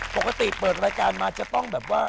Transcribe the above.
ปกติเปิดรายการมาจะต้องแบบว่า